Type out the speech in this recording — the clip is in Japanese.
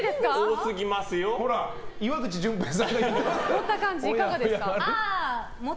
持った感じいかがですか？